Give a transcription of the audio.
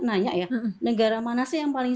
nanya ya negara mana sih yang paling